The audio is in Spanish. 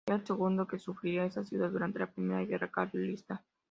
Sería el segundo que sufriría esta ciudad durante la primera guerra carlista.